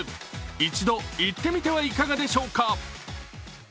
一度行ってみてはいかがでしょうか。